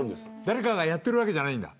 誰かがやってるわけじゃないんだ。